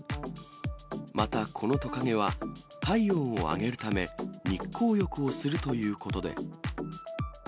また、このトカゲは体温を上げるため、日光浴をするということで。